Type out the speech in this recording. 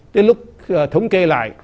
đến lúc thống kê lại